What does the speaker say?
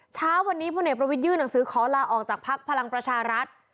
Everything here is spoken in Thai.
เช้าวันนี้พลเอกประวิทยื่นหนังสือขอลาออกจากภักดิ์พลังประชารัฐ